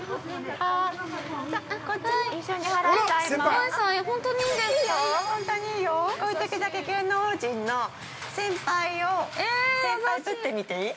こういうときだけ芸能人の先輩を先輩ぶってみていい？